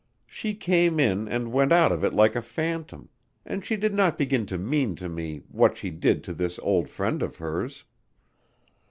She came in and went out of it like a phantom, and she did not begin to mean to me what she did to this old friend of hers.